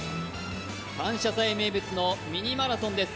「感謝祭」名物の「ミニマラソン」です。